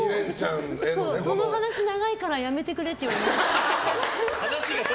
その話、長いからやめてくれって言われましたもん。